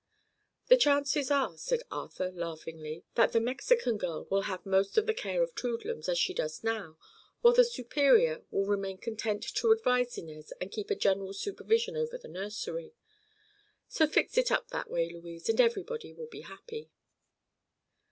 "The chances are," said Arthur laughingly, "that the Mexican girl will have most of the care of Toodlums, as she does now, while the superior will remain content to advise Inez and keep a general supervision over the nursery. So fix it up that way, Louise, and everybody will be happy."